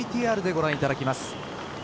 ＶＴＲでご覧いただきます。